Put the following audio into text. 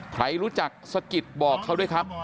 ใครรู้จักสะกิดบอกเขาด้วยครับ